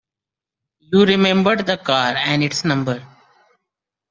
You remembered the car and its number.